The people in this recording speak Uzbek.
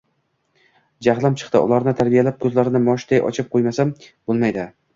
Jahlim chiqdi, ularni tarbiyalab, ko’zlarini moshday ochib qo’ymasam bo’lmaydi.